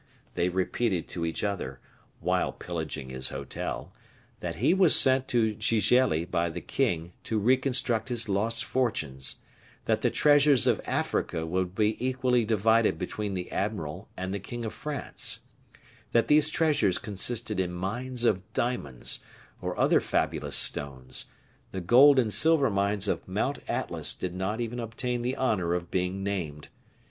They repeated to each other, while pillaging his hotel, that he was sent to Gigelli by the king to reconstruct his lost fortunes; that the treasures of Africa would be equally divided between the admiral and the king of France; that these treasures consisted in mines of diamonds, or other fabulous stones; the gold and silver mines of Mount Atlas did not even obtain the honor of being named.